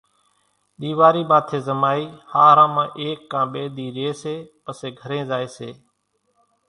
ۮيوارِي ماٿي زمائي ۿاۿران مان ايڪ ڪان ٻي ۮِي رئي سي پسي گھرين زائي سي